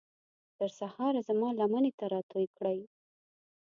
تر سهاره زما لمنې ته راتوی کړئ